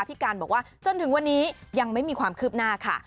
พี่การบอกว่าจนถึงวันนี้ยังไม่มีความคืบหน้าค่ะ